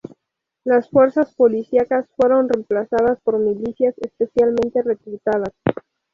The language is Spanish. Las fuerzas policíacas fueron remplazadas por milicias especialmente reclutadas.